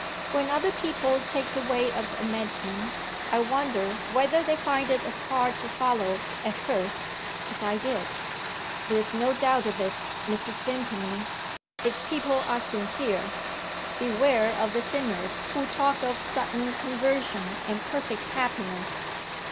When other people take the way of amendment, I wonder whether they find it as hard to follow, at first, as I did?" "There is no doubt of it, Mrs. Vimpany if people are sincere. Beware of the sinners who talk of sudden conversion and perfect happiness.